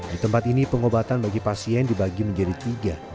di tempat ini pengobatan bagi pasien dibagi menjadi tiga